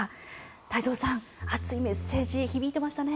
太蔵さん、熱いメッセージ響いてましたね。